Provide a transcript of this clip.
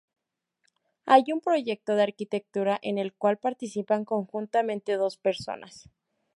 Hay un proyecto de arquitectura en el cual participan conjuntamente dos personas.